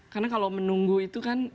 karena kalau menunggu itu kan